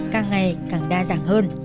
càng ngày càng đa dạng hơn